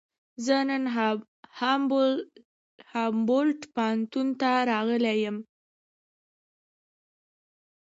زه نن هامبولټ پوهنتون ته راغلی یم.